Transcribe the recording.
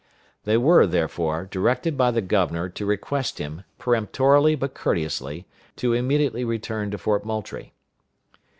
They were, therefore, directed by the governor to request him, peremptorily but courteously, to immediately return to Fort Moultrie.